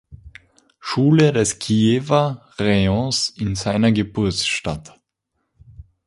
Schule des Kiewer Rajons in seiner Geburtsstadt.